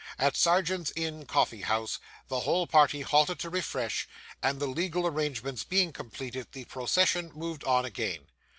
At Serjeant's Inn Coffee house the whole party halted to refresh, and, the legal arrangements being completed, the procession moved on again.